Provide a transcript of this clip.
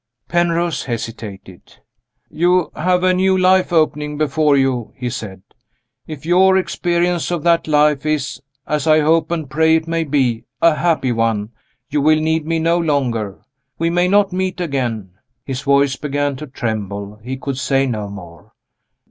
Penrose hesitated. "You have a new life opening before you," he said. "If your experience of that life is as I hope and pray it may be a happy one, you will need me no longer; we may not meet again." His voice began to tremble; he could say no more.